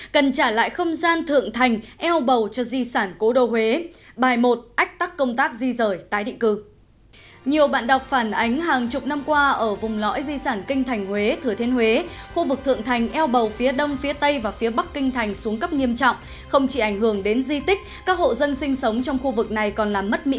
cảm ơn các bạn đã theo dõi